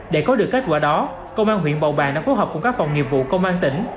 để có được kết quả đó công an huyện bầu bàng đã phối hợp cùng các phòng nghiệp vụ công an tỉnh